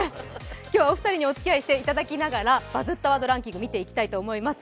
今日はお二人におつきあいしていただきながら、「バズったワードランキング」を見ていきたいと思います。